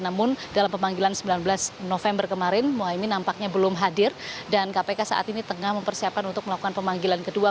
namun dalam pemanggilan sembilan belas november kemarin mohaimin nampaknya belum hadir dan kpk saat ini tengah mempersiapkan untuk melakukan pemanggilan kedua